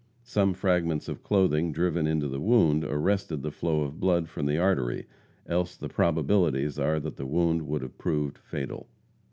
Some fragments of clothing, driven into the wound, arrested the flow of blood from the artery, else the probabilities are that the wound would have proved fatal.